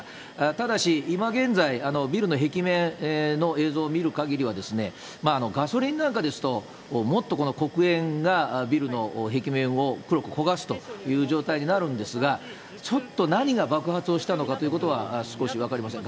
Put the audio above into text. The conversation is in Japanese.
ただし、今現在、ビルの壁面の映像を見るかぎりでは、ガソリンなんかですと、もっとこの黒煙が、ビルの壁面を黒く焦がすという状態になるんですが、ちょっと何が爆発したのかということは、少し分かりません。